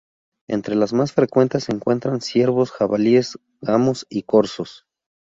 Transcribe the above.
Entre las más frecuentes se encuentran: ciervos, jabalíes, gamos y corzos.